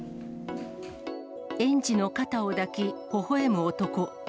園児の肩を抱き、ほほえむ男。